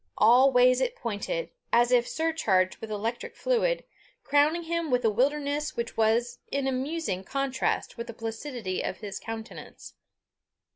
All ways it pointed, as if surcharged with electric fluid, crowning him with a wildness which was in amusing contrast with the placidity of his countenance.